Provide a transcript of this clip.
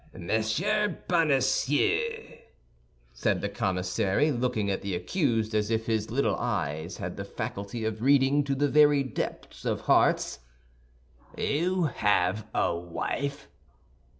"Monsieur Bonacieux," said the commissary, looking at the accused as if his little eyes had the faculty of reading to the very depths of hearts, "you have a wife?"